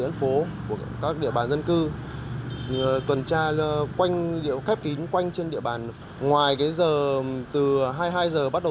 khép kín của các địa bàn dân cư tuần tra khép kín quanh trên địa bàn ngoài từ hai mươi hai h bắt đầu